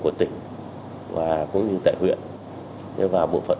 của tỉnh và cũng như tại huyện và bộ phận